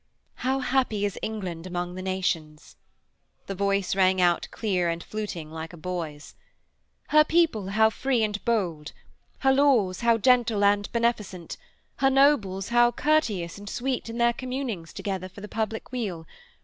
' How happy is England among the nations!' The voice rang out clear and fluting like a boy's. 'Her people how free and bold! Her laws how gentle and beneficent, her nobles how courteous and sweet in their communings together for the public weal!